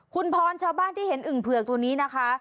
คุณพรชาวบ้านที่เห็นอึ่งเผือกตัวนี้นะคะ